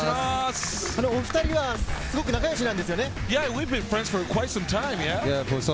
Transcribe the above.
お２人はすごく仲よしなんですよね？